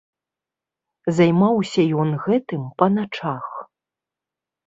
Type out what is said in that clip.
Займаўся ён гэтым па начах.